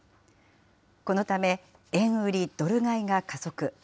このため、円売りドル買いが加速。